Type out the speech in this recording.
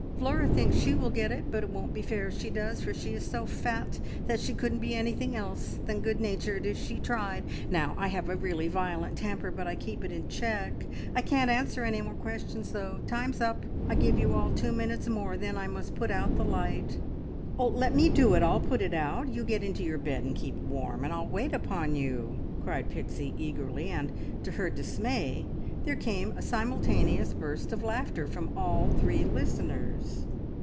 Flora thinks she will get it, but it won't be fair if she does, for she is so fat that she couldn't be anything else than good natured if she tried. Now I have really a violent temper, but I keep it in check. I can't answer any more questions, though. Time's up. I give you all two minutes more, and then I must put out the light." "Let me do it! I'll put it out! You get into your bed and keep warm, and I'll wait upon you!" cried Pixie eagerly; and, to her dismay, there came a simultaneous burst of laughter from all three listeners.